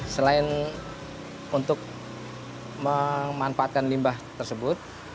selain untuk memanfaatkan limbah tersebut